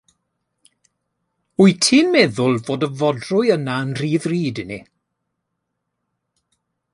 Wyt ti'n meddwl fod y fodrwy yna yn rhy ddrud i ni?